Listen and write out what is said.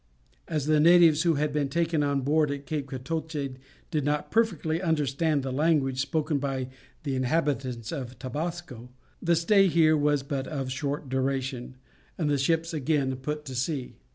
As the natives who had been taken on board at Cape Cotoche did not perfectly understand the language spoken by the inhabitants of Tabasco, the stay here was but of short duration, and the ships again put to sea.